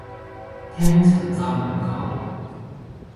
聽陳湛文講